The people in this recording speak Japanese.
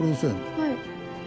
はい。